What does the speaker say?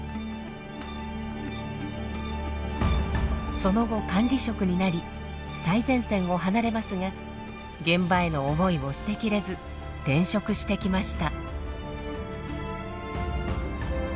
その後管理職になり最前線を離れますが現場への思いを捨て切れず転職してきました。